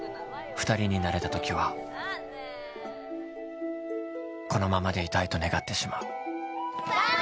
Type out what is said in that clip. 二人になれた時はこのままでいたいと願ってしまう頑張れ！